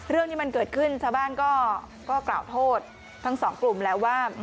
เรื่องที่มันเกิดขึ้นชาวบ้านก็กล่าวโทษทั้งสองกลุ่มแล้วว่า